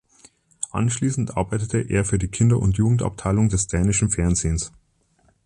Anschließend arbeitete er für die Kinder- und Jugendabteilung des Dänischen Fernsehens.